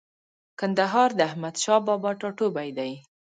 کندهار د احمدشاه بابا ټاټوبۍ دی.